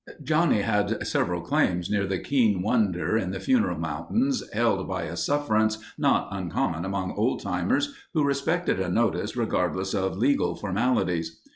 Johnny had several claims near the Keane Wonder in the Funeral Mountains, held by a sufferance not uncommon among old timers, who respected a notice regardless of legal formalities.